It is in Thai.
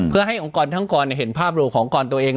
เพื่อให้องค์กรทั้งกรเห็นภาพรวมขององค์กรตัวเอง